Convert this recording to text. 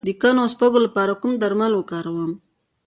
د کنو او سپږو لپاره کوم درمل وکاروم؟